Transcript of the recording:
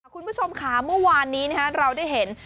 คุณผู้ชมค่ะเมื่อวานนี้เราได้เห็น